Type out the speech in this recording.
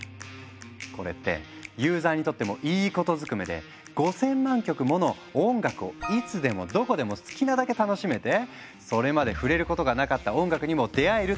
これってユーザーにとってもいいことずくめで５，０００万曲もの音楽をいつでもどこでも好きなだけ楽しめてそれまで触れることがなかった音楽にも出会えるっていう画期的な話。